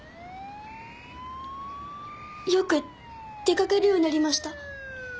よく出かけるようになりました